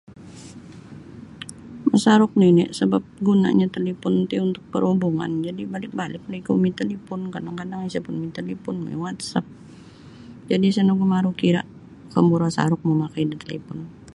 Misaruk nio ni sabap gunanya talipun ti untuk perhubungan jadi balik-balik ni ikou main talipun kadang-kadang isa pun main talipun main WhatsApp jadi isa nugu maru kira kemburo saruk memakai da talipun